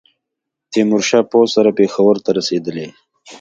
تېمورشاه پوځ سره پېښور ته رسېدلی.